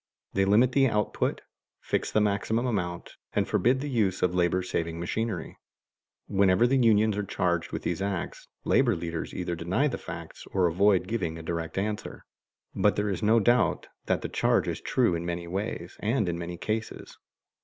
They limit the output, fix the maximum amount, and forbid the use of labor saving machinery. Whenever the unions are charged with these acts, labor leaders either deny the facts or avoid giving a direct answer, but there is no doubt that the charge is true in many ways and in many cases.